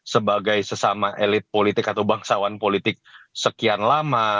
sebagai sesama elit politik atau bangsawan politik sekian lama